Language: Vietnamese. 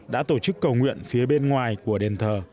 đã tổ chức cầu nguyện phía bên ngoài của đền thờ